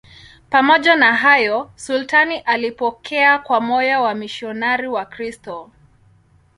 Pamoja na hayo, sultani alipokea kwa moyo wamisionari Wakristo.